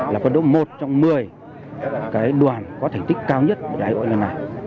là vận động một trong một mươi cái đoàn có thành tích cao nhất tại đại hội lần này